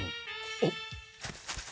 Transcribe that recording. あっ！